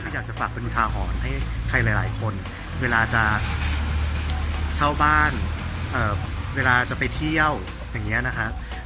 อยากจะฝากเป็นอุทาหรณ์ให้ใครหลายคนเวลาจะเช่าบ้านเวลาจะไปเที่ยวอย่างนี้นะฮะ